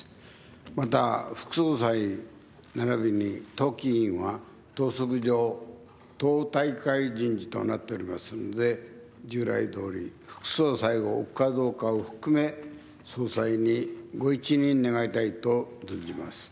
また、副総裁ならびに党規委員は党則上、党大会人事となっておりますので、従来どおり副総裁を置くかどうかを含め総裁に御一任願いたいと存じます。